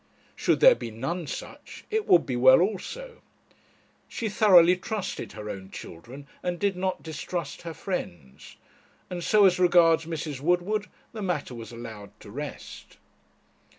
Should there be none such, it would be well also. She thoroughly trusted her own children, and did not distrust her friends; and so as regards Mrs. Woodward the matter was allowed to rest.